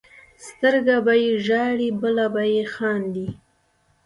سترګه به یې ژاړي بله به یې خاندي.